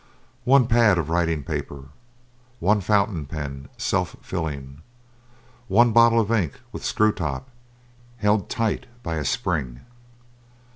One pad of writing paper. One fountain pen, self filling. One bottle of ink, with screw top, held tight by a spring.